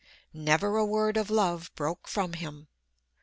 Never a word of love broke from him.